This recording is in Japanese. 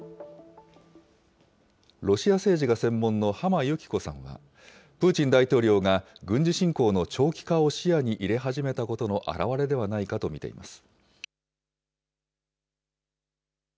ロシア政治が専門の浜由樹子さんは、プーチン大統領が軍事侵攻の長期化を視野に入れ始めたことの表れではないかと見ています。